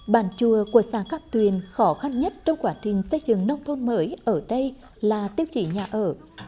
bàn chùa của xã cáp tuyền khó khăn nhất trong quá trình xây dựng nông thôn mới ở đây là tiêu chí nhà ở